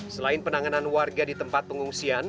selain penanganan warga di tempat pengungsian